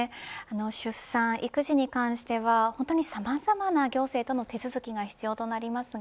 出産、育児に関してはさまざまな行政との手続きが必要になりますが